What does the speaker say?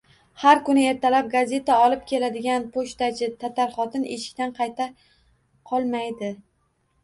Har kuni ertalab gazeta olib keladigan pochtachi— tatar xotin eshikdan qayta qolmaydi.